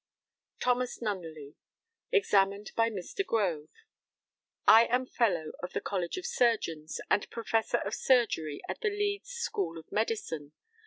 THOMAS NUNNELEY, examined by Mr. GROVE: I am Fellow of the College of Surgeons, and Professor of Surgery at the Leeds School of Medicine.